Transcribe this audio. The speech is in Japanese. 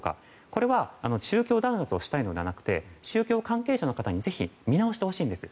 これは宗教弾圧をしたいのではなくて宗教関係者の方にぜひ、見直してほしいんです。